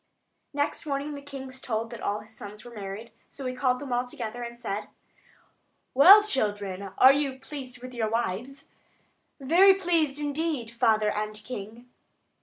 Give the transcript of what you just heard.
Next morning the king was told that all his sons had got married; so he called them all together, and said: "Well children, are you all pleased with your wives?" "Very pleased indeed, father and king."